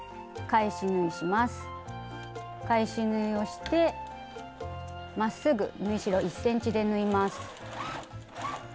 返し縫いをしてまっすぐ縫い代１ｃｍで縫います。